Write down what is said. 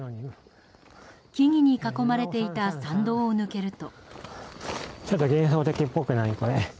木々に囲まれていた山道を抜けると。